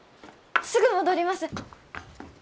すぐ戻ります。